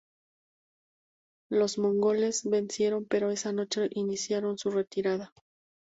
Los mongoles vencieron pero esa noche iniciaron su retirada.